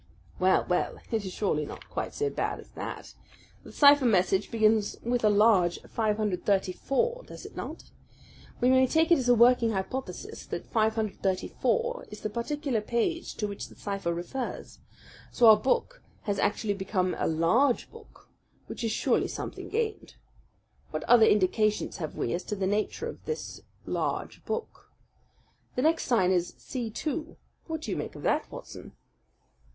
"Well, well, it is surely not quite so bad as that. The cipher message begins with a large 534, does it not? We may take it as a working hypothesis that 534 is the particular page to which the cipher refers. So our book has already become a LARGE book, which is surely something gained. What other indications have we as to the nature of this large book? The next sign is C2. What do you make of that, Watson?"